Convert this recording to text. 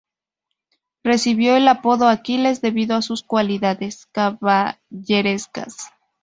Recibió el apodo Aquiles debido a sus cualidades caballerescas.